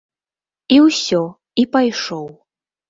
І ўсё, і пайшоў.